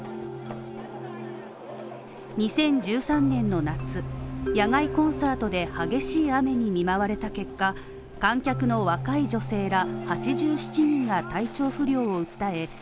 ２０１３年の夏、野外コンサートで激しい雨に見舞われた結果観客の若い女性ら８７人が体調不良を訴え